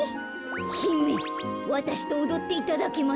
ひめわたしとおどっていただけませんか？